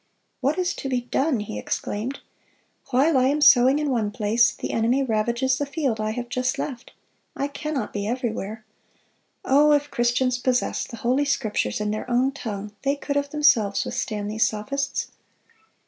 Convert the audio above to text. "What is to be done?" he exclaimed. "While I am sowing in one place, the enemy ravages the field I have just left. I cannot be everywhere. Oh! if Christians possessed the Holy Scriptures in their own tongue, they could of themselves withstand these sophists.